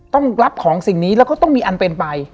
ต้องรับของสิ่งนี้แล้วก็ต้องมีอันเป็นไป